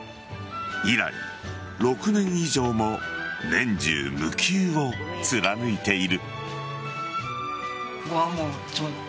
以来、６年以上も年中無休を貫いている。